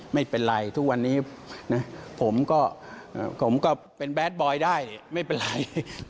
ไม่เป็นไรทุกวันนี้นะผมก็ผมก็เป็นแบดบอยได้ไม่เป็นไร